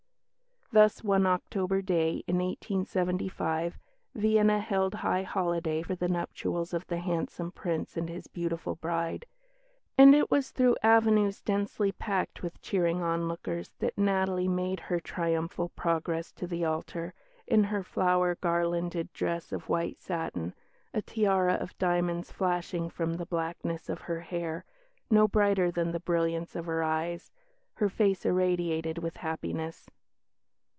Thus, one October day in 1875, Vienna held high holiday for the nuptials of the handsome Prince and his beautiful bride; and it was through avenues densely packed with cheering onlookers that Natalie made her triumphal progress to the altar, in her flower garlanded dress of white satin, a tiara of diamonds flashing from the blackness of her hair, no brighter than the brilliance of her eyes, her face irradiated with happiness.